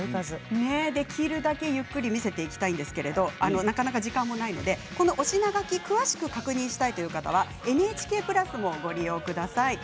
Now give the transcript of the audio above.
できるだけゆっくり見せていきたいんですけどなかなか時間もないので推し名書き詳しく確認したい方はＮＨＫプラスもご利用ください。